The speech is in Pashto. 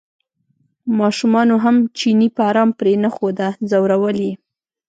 ماشومانو هم چینی په ارام پرېنښوده ځورول یې.